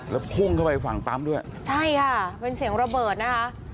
แล้วพุ่งเข้าไปฝั่งปั๊มด้วยใช่ค่ะเป็นเสียงระเบิดนะคะ